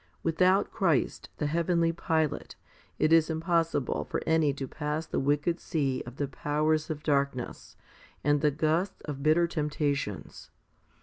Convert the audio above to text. Without Christ, the heavenly pilot, it is impos sible for any to pass the wicked sea of the powers of darkness, and the gusts of bitter temptations.